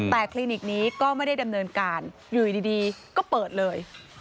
แต่คลินิกนี้ก็ไม่ได้ดำเนินการอยู่ดีก็เปิดเลย